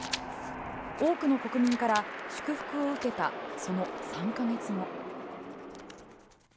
多くの国民から祝福を受けたその３か月後。